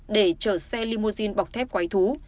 để chở xe limousine bọc thép quái thú